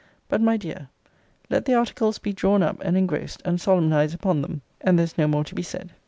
But, my dear, let the articles be drawn up, and engrossed; and solemnize upon them; and there's no more to be said.